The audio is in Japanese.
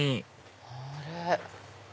あれ？